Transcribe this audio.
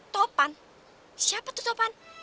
topan siapa tuh topan